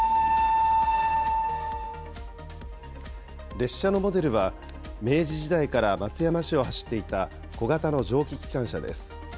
列車のモデルは明治時代から松山市を走っていた小型の蒸気機関車です。